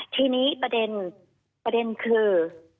ทีนี้ประเด็นประเด็นคือ